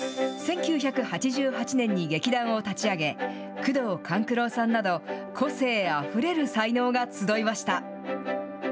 １９８８年に劇団を立ち上げ、宮藤官九郎さんなど、個性あふれる才能が集いました。